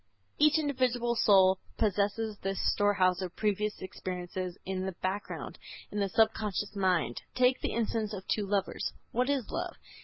Each individual soul possesses this storehouse of previous experiences in the background, in the subconscious mind. Take the instance of two lovers. What is love?